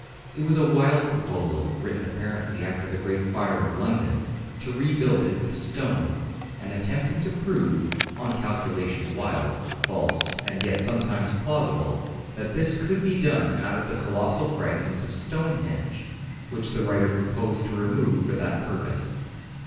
It was a wild proposal (written apparently after the great fire of London) to rebuild it with stone, and attempting to prove, on a calculation wild, false, and yet sometimes plausible, that this could be done out of the colossal fragments of Stonehenge, which the writer proposed to remove for that purpose.